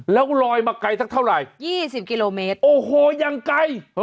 แล้วลอยมาไกลสักเท่าไหร่๒๐กิโลเมตรโอ้โหยังไกล